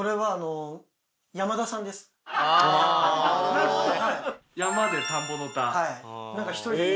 なるほど！